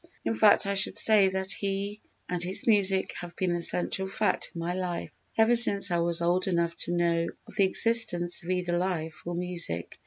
_In fact I should say that he and his music have been the central fact in my life ever since I was old enough to know of the existence of either life or music_.